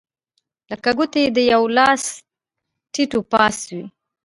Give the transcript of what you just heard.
لکه ګوتې د یوه لاس ټیت و پاس وې.